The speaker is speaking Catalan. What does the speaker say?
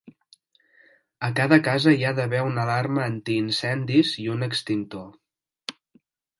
A cada casa hi ha d'haver una alarma antiincendis i un extintor.